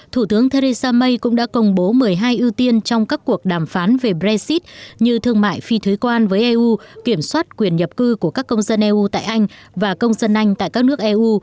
thủ tướng theresa may cũng đã công bố một mươi hai ưu tiên trong các cuộc đàm phán về brexit như thương mại phi thuế quan với eu kiểm soát quyền nhập cư của các công dân eu tại anh và công dân anh tại các nước eu